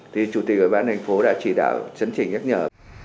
thì chủ tịch bản đảnh phố đã chỉ đạo chấn trình nhắc nhở